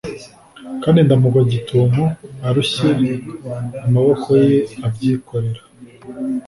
kandi ndamugwa gitumo arushye amaboko ye abyikorera